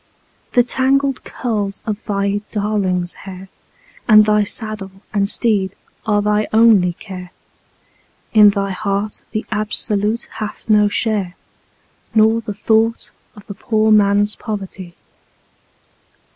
The tangled curls of thy darling's hair, and thy saddle and teed are thy only care; In thy heart the Absolute hath no share, nor the thought of the poor man's poverty.